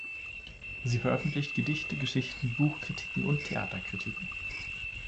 Sie veröffentlicht Gedichte, Geschichten, Buchkritiken und Theaterkritiken.